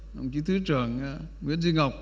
đồng chí thứ trưởng nguyễn duy ngọc